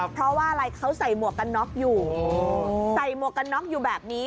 เพราะว่าอะไรเขาใส่หมวกกันน็อกอยู่ใส่หมวกกันน็อกอยู่แบบนี้